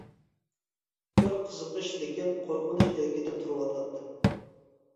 بىر قىزىقىش، لېكىن قورقۇنچ ئىلكىدە تۇرۇۋاتاتتىم.